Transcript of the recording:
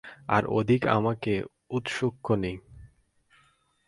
আর অধিক আমাদের ঔৎসুক্য নেই।